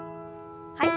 はい。